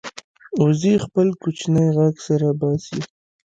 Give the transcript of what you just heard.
وزې خپل کوچنی غږ سره باسي